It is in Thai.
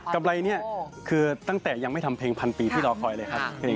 กำไรนี้คือตั้งแต่ยังไม่ทำเพลงพันปีที่รอคอยเลยครับ